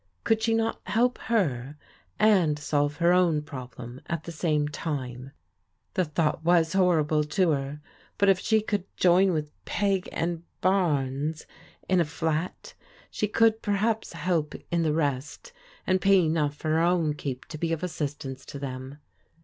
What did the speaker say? Could she not help her and solve her own problem at the same time? The thought was horrible to her, but if she could join with Peg and Barnes in a flat she could perhaps help 231 232 PBODIOAL DAUOHTEBS in the rest, and pay enough for her own keq> to be of assistance to them.